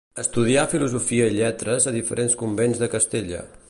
Estudià filosofia i lletres a diferents convents de Castella.